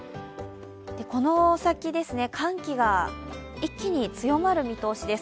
この先、寒気が一気に強まる見通しです。